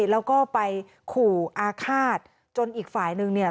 แล้วก็ไปขู่อาฆาตจนอีกฝ่ายนึงเนี่ย